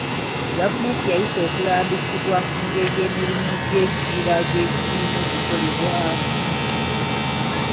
Gavumenti yayisa okulambikibwa ku ngeri emirimu gy'ekibira gye girina okukolebwamu.